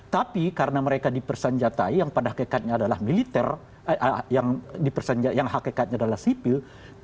tapi karena mereka dipersenjatai yang pada hakikatnya adalah militer yang dipersenjatai yang hakikatnya adalah sipil